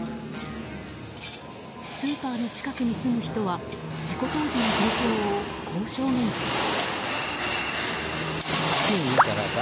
スーパーの近くに住む人は事故当時の状況をこう証言します。